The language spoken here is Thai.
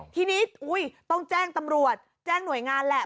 ทีนี้ต้องแจ้งตำรวจแจ้งหน่วยงานแหละ